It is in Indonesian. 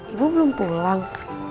ibu belum pulang